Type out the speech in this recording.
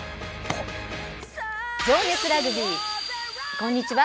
こんにちは。